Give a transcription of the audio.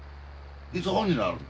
いつ本になるん？